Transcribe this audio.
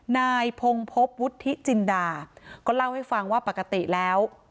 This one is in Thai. นายพงภพวุฒิจินดาก็เล่าให้ฟังว่าปกติแล้ว